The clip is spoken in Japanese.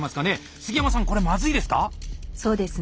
杉山さんこれまずいですか？